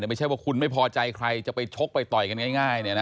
ไม่ใช่ว่าคุณไม่พอใจใครจะไปชกไปต่อยกันง่าย